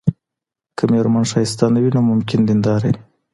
که ميرمن ښايسته نه وي، نو ممکن دينداره وي